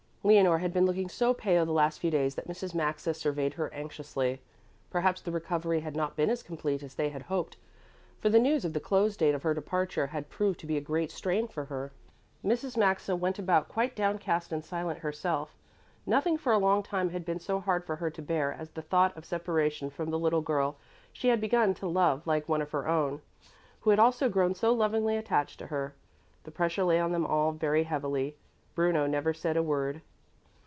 Leonore had been looking so pale the last few days that Mrs. Maxa surveyed her anxiously. Perhaps the recovery had not been as complete as they had hoped, for the news of the close date of her departure had proved to be a great strain for her. Mrs. Maxa went about quite downcast and silent herself. Nothing for a long time had been so hard for her to bear as the thought of separation from the little girl she had begun to love like one of her own, who had also grown so lovingly attached to her. The pressure lay on them all very heavily. Bruno never said a word.